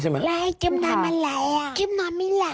ตกใกล้ไฟ